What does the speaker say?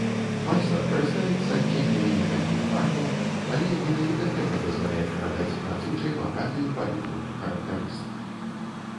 Майстар карыстаецца адценнямі некалькіх фарбаў, але менавіта гэта дазваляе перадаць надзвычай багатую палітру характарыстык.